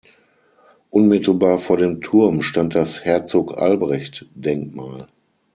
Unmittelbar vor dem Turm stand das Herzog-Albrecht-Denkmal.